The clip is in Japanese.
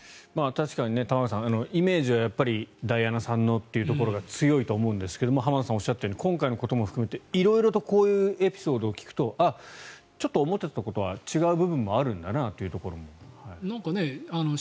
確かに玉川さんイメージはダイアナさんのというところが強いと思うんですが浜田さんがおっしゃったように今回のことも含めて色々エピソードを聞くとあ、ちょっと思っていたところとは違った部分もあるんだなと。